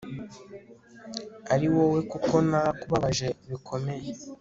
ari wowe kuko narakubabaje bikomeye